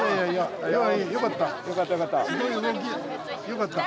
よかった。